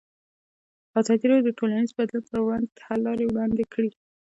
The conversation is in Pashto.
ازادي راډیو د ټولنیز بدلون پر وړاندې د حل لارې وړاندې کړي.